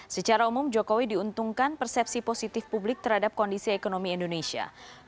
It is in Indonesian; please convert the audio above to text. secara umum jokowi diuntungkan persepsi positif publik terhadap kondisi ekonomi indonesia